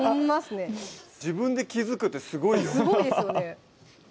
自分で気付くってすごいよすごいですよね